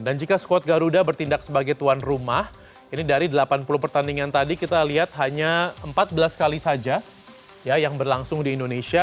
dan jika skuad garuda bertindak sebagai tuan rumah ini dari delapan puluh pertandingan tadi kita lihat hanya empat belas kali saja ya yang berlangsung di indonesia